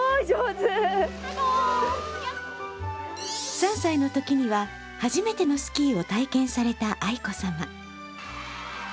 ３歳のときには初めてのスキーを体験された愛子さま。